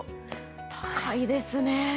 高いですね。